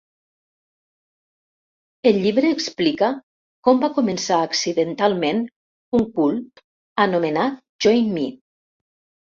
El llibre explica com "va començar accidentalment un 'cult'" anomenat Join Me.